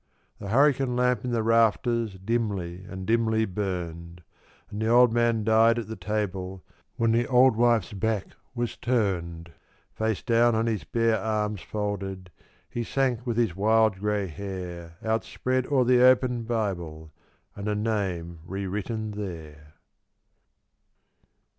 The hurricane lamp in the rafters dimly and dimly burned; And the old man died at the table when the old wife's back was turned. Face down on his bare arms folded he sank with his wild grey hair Outspread o'er the open Bible and a name re written there.